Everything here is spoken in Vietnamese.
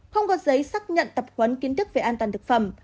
không có giấy xác nhận tập huấn kiến thức về an toàn thực phẩm